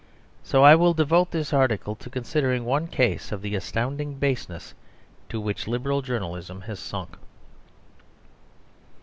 So I will devote this article to considering one case of the astounding baseness to which Liberal journalism has sunk.